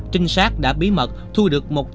trinh sát đã bí mật thu được một triệu đồng